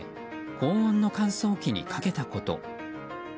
高温の乾燥機にかけたこと。